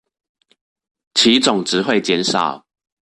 其總值會減少